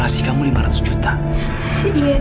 dokter nggak perlu ngelakuin itu dokter